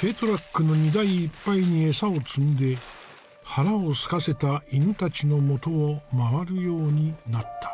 軽トラックの荷台いっぱいに餌を積んで腹をすかせた犬たちのもとを回るようになった。